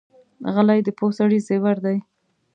غلی، د پوه سړي زیور دی.